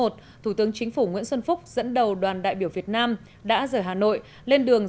thủ tướng chính phủ nguyễn xuân phúc dẫn đầu đoàn đại biểu việt nam đã rời hà nội lên đường